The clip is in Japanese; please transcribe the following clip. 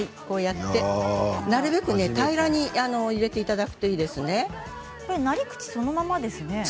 なるべく平らに入れていただくといいですね。